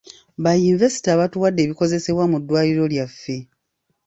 Ba yinvesita batuwadde ebikozesebwa mu ddwaliro lyaffe.